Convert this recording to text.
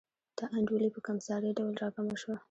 نا انډولي په کمسارې ډول راکمه شوه.